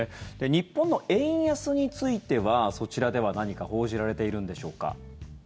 日本の円安についてはそちらでは何か報じられているんでしょうか。